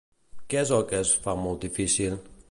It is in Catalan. Què és el que es fa molt difícil?